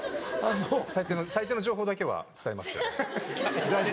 最低の情報だけは伝えますけど。